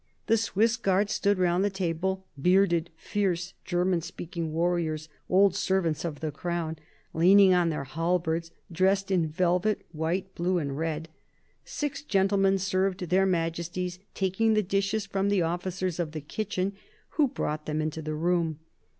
The Swiss guards stood round the table, bearded, fierce, German speaking warriors, " old servants of the Crown," leaning on their halberds, dressed in velvet, white, blue, and red. Six gentlemen served their Majesties, taking the dishes from the " officers of the kitchen," who brought them into the room.